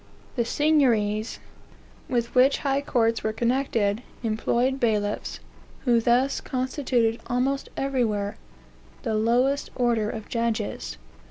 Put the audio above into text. The seigniories, with which high courts were connected, employed bailiffs, who thus constituted, almost everywhere, the lowest order of judges.